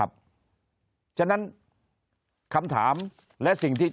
คนในวงการสื่อ๓๐องค์กร